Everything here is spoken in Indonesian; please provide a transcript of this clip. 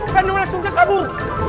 kan lu langsung kekabur